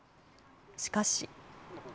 しかし。